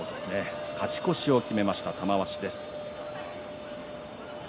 勝ち越しを決めました玉鷲です。